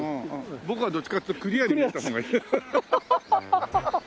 僕はどっちかというとクリアに撮った方がいい。